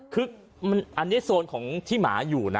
คืออันนี้โซนของที่หมาอยู่นะ